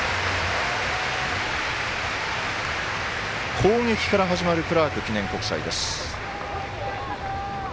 攻撃から始まるクラーク記念国際です。